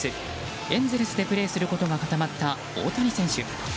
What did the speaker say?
エンゼルスでプレーすることが固まった、大谷選手。